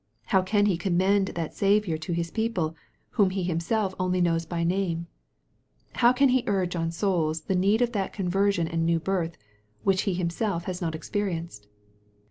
How can he commend that Saviour to his people whom he himself only knows by name ? How can he urge on souls the need of that conversion and new birth, which he him self has not experienced